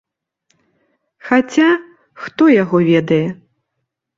Хаця, хто яго ведае.